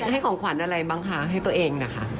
ให้ของขวัญอะไรบ้างคะเธอเอง